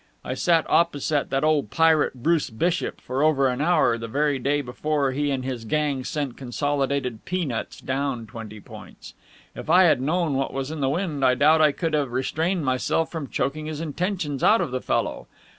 I sat opposite that old pirate, Bruce Bishop, for over an hour the very day before he and his gang sent Consolidated Pea Nuts down twenty points! If I had known what was in the wind, I doubt if I could have restrained myself from choking his intentions out of the fellow.